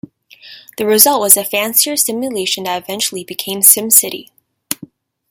The result was a fancier simulation that eventually became "SimCity".